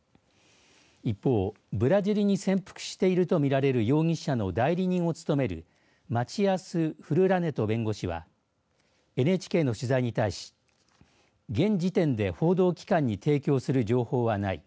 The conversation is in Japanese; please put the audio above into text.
一方ブラジルに潜伏しているとみられる容疑者の代理人を務めるマチアス・フルラネト弁護士はＮＨＫの取材に対し現時点で報道機関に提供する情報はない。